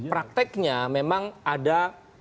prakteknya memang ada